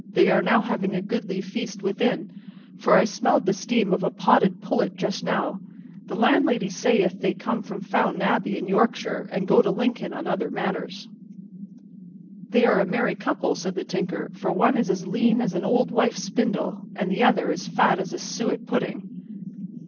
"They are now having a goodly feast within, for I smelled the steam of a boiled pullet just now. The landlady sayeth they come from Fountain Abbey, in Yorkshire, and go to Lincoln on matters of business." "They are a merry couple," said the Tinker, "for one is as lean as an old wife's spindle, and the other as fat as a suet pudding."